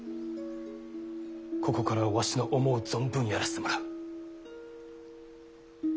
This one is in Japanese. ここからわしの思う存分やらせてもらう。